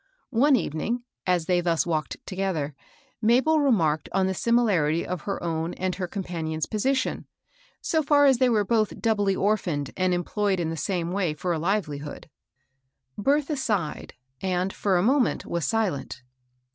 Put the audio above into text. One evening, as they thus walked together, Mabel remarked on the similarity of her own and her companion's position, so far as they were both 42 MABEL KOSS. doubly orphaned and employed in the same way for a livelihood. Bertha sighed, and, for a moment, was silent.